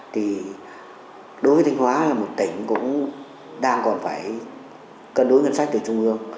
thì đối với thanh hóa là một tỉnh cũng đang còn phải cân đối ngân sách từ trung ương